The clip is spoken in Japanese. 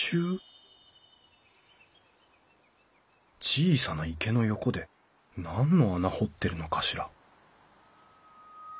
小さな池の横で何の穴掘ってるのかしら？